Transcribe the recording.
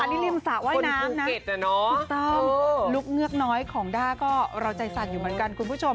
อันนี้ริมสระว่ายน้ำนะถูกต้องลูกเงือกน้อยของด้าก็เราใจสั่นอยู่เหมือนกันคุณผู้ชม